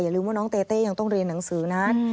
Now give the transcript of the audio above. ลืมว่าน้องเตเต้ยังต้องเรียนหนังสือนะ